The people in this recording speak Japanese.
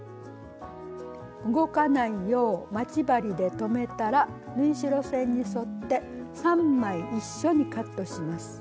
動かないよう待ち針で留めたら縫い代線に沿って３枚一緒にカットします。